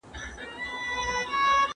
ځان او ميرمني ته د خير اوبرکت دعا وکړئ.